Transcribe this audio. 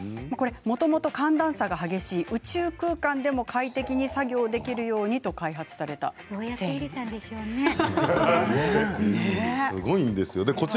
もともと寒暖差が激しい宇宙空間でも快適に作業できるようにと開発された繊維なんです。